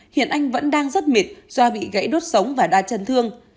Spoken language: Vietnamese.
hiện anh vẫn đang rất mệt do bị gãy đốt sống và đa chân thương